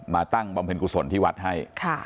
ตั้งบำเพ็ญกุศลที่วัดให้